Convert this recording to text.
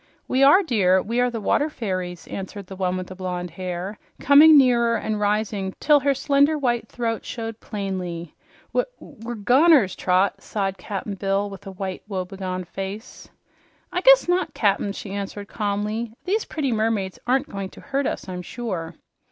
"We are, dear. We are the water fairies," answered the one with the blonde hair, coming nearer and rising till her slender white throat showed plainly. "We we're goners, Trot!" sighed Cap'n Bill with a white, woebegone face. "I guess not, Cap'n," she answered calmly. "These pretty mermaids aren't going to hurt us, I'm sure."